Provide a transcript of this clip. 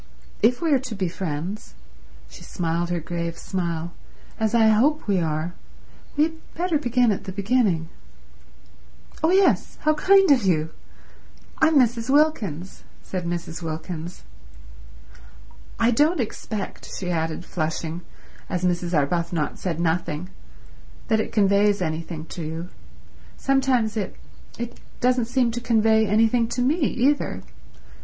If we are to be friends"—she smiled her grave smile—"as I hope we are, we had better begin at the beginning." "Oh yes—how kind of you. I'm Mrs. Wilkins," said Mrs. Wilkins. "I don't expect," she added, flushing, as Mrs. Arbuthnot said nothing, "that it conveys anything to you. Sometimes it—it doesn't seem to convey anything to me either.